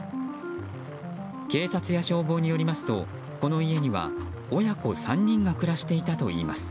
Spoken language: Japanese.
警察や消防によりますとこの家には親子３人が暮らしていたといいます。